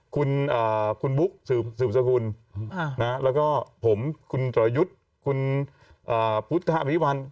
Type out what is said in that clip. คุณบุ๊กสืบสภูมิแล้วก็ผมคุณตรอยุทธ์คุณพุทธภาพิพันธ์